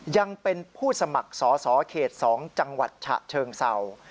ยังเป็นผู้สมัครสอสอเขต๒จังหวัดฉะเชิงเศร้า